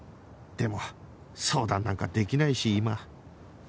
でも相談なんかできないし今